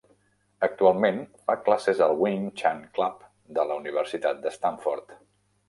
Actualment fa classes al Wing Chun Club de la Universitat de Stanford.